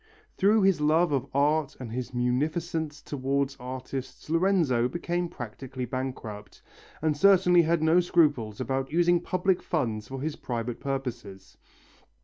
Through his love of art and his munificence towards artists Lorenzo became practically bankrupt, and certainly had no scruples about using public funds for his private purposes.